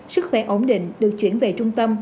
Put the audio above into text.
sức khỏe ổn định được chuyển về trung tâm